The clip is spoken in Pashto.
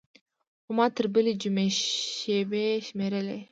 خو ما تر بلې جمعې شېبې شمېرلې.